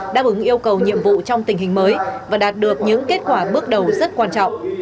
đáp ứng yêu cầu nhiệm vụ trong tình hình mới và đạt được những kết quả bước đầu rất quan trọng